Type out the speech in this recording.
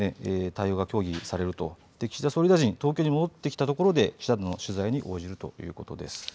対応が協議される岸田総理大臣東京へ戻ってきたところで取材に応じるということです。